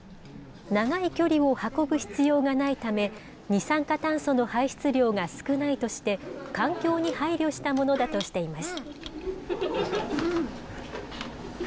長い距離を運ぶ必要がないため、二酸化炭素の排出量が少ないとして、環境に配慮したものだとしています。